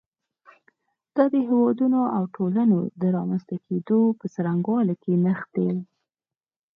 دا د هېوادونو او ټولنو د رامنځته کېدو په څرنګوالي کې نغښتی.